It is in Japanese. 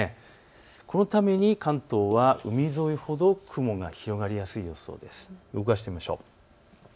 このために関東は海沿いほど雲が広がりやすいでしょう。